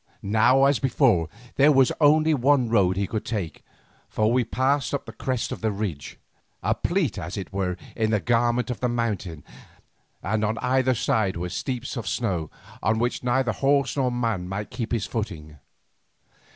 Now, as before, there was only one road that he could take, for we passed up the crest of a ridge, a pleat as it were in the garment of the mountain, and on either side were steeps of snow on which neither horse nor man might keep his footing.